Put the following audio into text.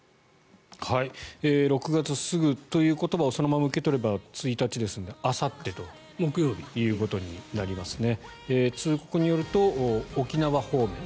６月すぐという言葉をそのまま受け取れば１日ですのであさって、木曜日ということになりますね。